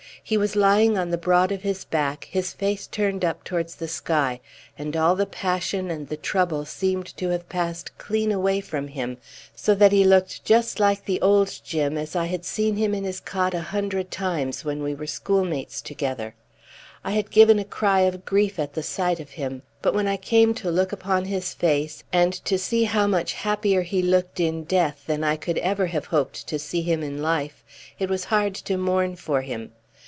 He was lying on the broad of his back, his face turned up towards the sky, and all the passion and the trouble seemed to have passed clean away from him, so that he looked just like the old Jim as I had seen him in his cot a hundred times when we were schoolmates together. I had given a cry of grief at the sight of him; but when I came to look upon his face, and to see how much happier he looked in death than I could ever have hoped to see him in life, it was hard to mourn for him.